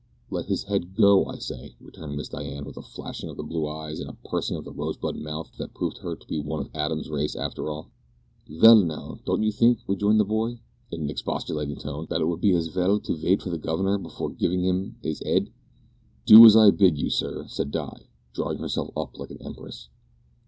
"Let his head go, I say!" returned Miss Diana with a flashing of the blue eyes, and a pursing of the rosebud mouth that proved her to be one of Adam's race after all. "Vell, now, don't you think," rejoined the boy, in an expostulating tone, "that it would be as veil to vait for the guv'nor before givin' 'im 'is 'ead?" "Do as I bid you, sir!" said Di, drawing herself up like an empress.